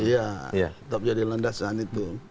iya tetap jadi landasan itu